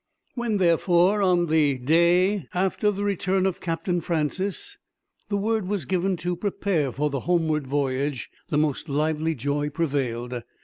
When, therefore, on the day after the return of Captain Francis, the word was given to prepare for the homeward voyage, the most lively joy prevailed.